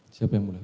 siapa yang mulai